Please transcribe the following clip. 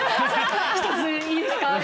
１ついいですか？